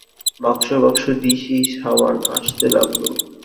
বাক্স বাক্স দিশি সাবান আসতে লাগল।